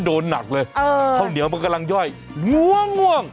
ห้องเดียวมันกำลังย่อยม่วง